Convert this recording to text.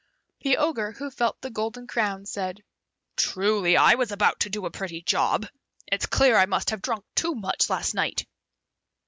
The Ogre, who felt the golden crowns, said, "Truly, I was about to do a pretty job! It's clear I must have drunk too much last night."